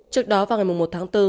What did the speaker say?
trước đó vào ngày một tháng bốn